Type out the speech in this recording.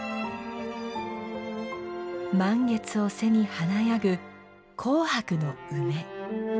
満月を背に華やぐ紅白の梅。